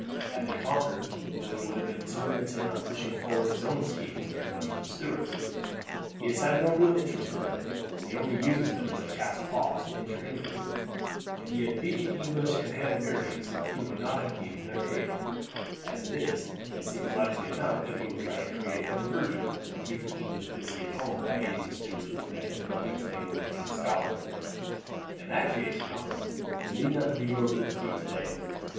Had they conquered, Louis would have been too intent on pushing forward his own schemes to care much for the Stuarts. He has no real interest in them, and only uses them as cat's paws to injure England. If he had beaten the English and Hanoverians he would not have needed their aid. As it is, it seems likely enough that he will try to create a diversion, and keep the English busy at home by aiding the Stuarts with men and money to make a landing in Scotland." "In that case, Malcolm, we need not grieve over the defeat today.